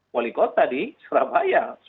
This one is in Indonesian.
wali kota di surabaya